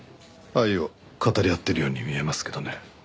愛を語り合ってるように見えますけどね。